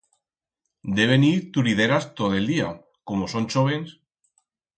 Deben ir turideras tot el día, como son chóvens.